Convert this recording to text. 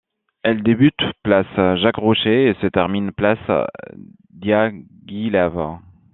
Elle débute place Jacques-Rouché et se termine place Diaghilev.